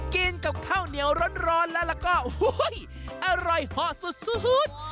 กินกับข้าวเหนียวร้อนแล้วก็อร่อยหอสุด